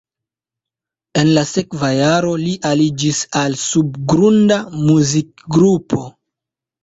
En la sekva jaro li aliĝis al subgrunda muzikgrupo.